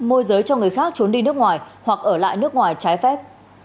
môi giới cho người khác trốn đi nước ngoài hoặc ở lại nước ngoài trái phép